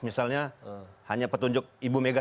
misalnya hanya petunjuk ibu mega